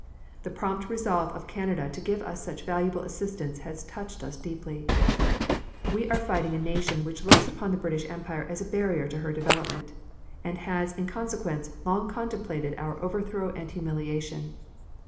The prompt resolve of Canada to give us such valuable assistance has touched us deeply. ... "We are fighting a nation which looks upon the British Empire as a barrier to her development, and has in consequence, long contemplated our overthrow and humiliation.